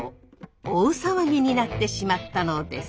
大騒ぎになってしまったのです。